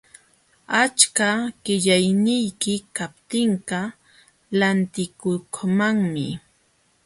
Achka qillayniyki kaptinqa lantikukmanmi.